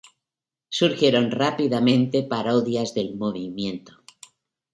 Surgieron rápidamente parodias del movimiento.